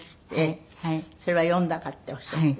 それは読んだか？っておっしゃって。